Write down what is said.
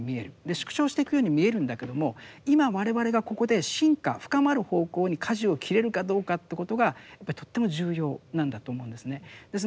縮小していくように見えるんだけども今我々がここで深化深まる方向に舵を切れるかどうかということがやっぱりとっても重要なんだと思うんですね。